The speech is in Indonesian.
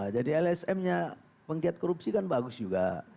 jadi lsm nya pengkiat korupsi kan bagus juga